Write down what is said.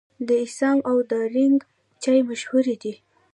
د اسام او دارجلینګ چای مشهور دی.